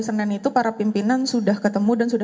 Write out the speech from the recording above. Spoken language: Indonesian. senin itu para pimpinan sudah ketemu dan sudah